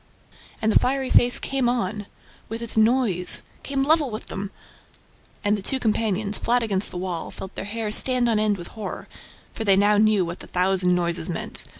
And the fiery face came on ... with its noise ... came level with them! ... And the two companions, flat against their wall, felt their hair stand on end with horror, for they now knew what the thousand noises meant.